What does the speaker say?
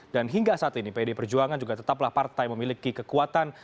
dan hingga saat ini ped perjuangan juga tetaplah partai memiliki kekuatan